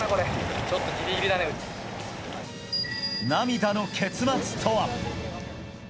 涙の結末とは。